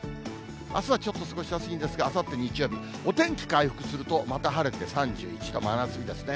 あすはちょっと過ごしやすいんですが、あさって日曜日、お天気回復すると、また晴れて３１度、真夏日ですね。